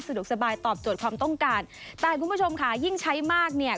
สบายตอบโจทย์ความต้องการแต่คุณผู้ชมค่ะยิ่งใช้มากเนี่ย